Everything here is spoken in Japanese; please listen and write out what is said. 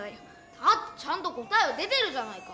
だってちゃんと答えは出てるじゃないか！